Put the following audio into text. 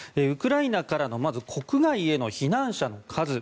ウクライナからまず国外への避難者の数。